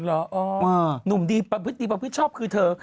เหรออ๋อหนุ่มดีประพฤติประพฤติชอบคือเธอ